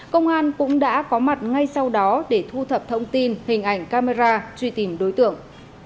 công an cũng đã có mặt ngay sau đó để thu thập thông tin hình ảnh camera truy tìm đối tượng